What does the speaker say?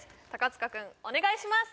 塚君お願いしますＯＫ！